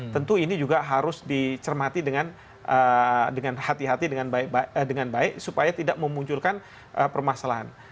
tentu ini juga harus dicermati dengan hati hati dengan baik supaya tidak memunculkan permasalahan